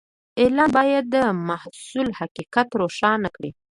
اعلان باید د محصول حقیقت روښانه کړي.